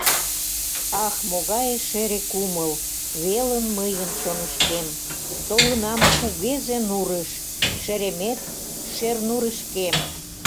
Ах, могае шере кумыл Велын мыйын чонышкем: Толынам кугезе нурыш, Шеремет Шернурышкем.